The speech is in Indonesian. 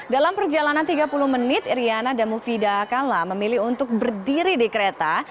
dalam perjalanan tiga puluh menit iryana dan mufida kala memilih untuk berdiri di kereta